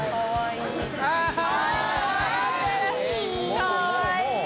かわいい！